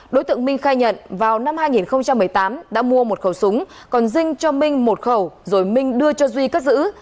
đối tượng minh khai nhận vào năm hai nghìn một mươi tám đã mua một khẩu súng còn dinh cho minh một khẩu rồi minh đưa cho duy cất giữ